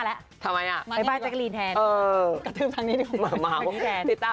เอาล่ะ